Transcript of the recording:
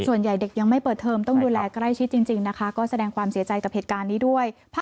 เด็กยังไม่เปิดเทอมต้องดูแลใกล้ชิดจริงนะคะก็แสดงความเสียใจกับเหตุการณ์นี้ด้วย